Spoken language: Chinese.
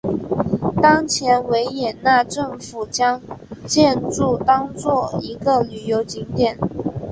当前维也纳政府将建筑当作一个旅游景点。